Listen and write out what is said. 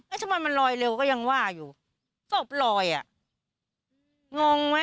ทำไมมันลอยเร็วก็ยังว่าอยู่ศพลอยอ่ะงงไหม